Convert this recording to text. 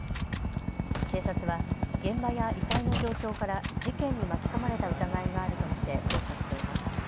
警察は現場や遺体の状況から事件に巻き込まれた疑いがあると見て捜査しています。